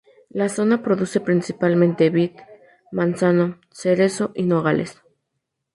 La zona produce principalmente vid, manzano, cerezo y nogales.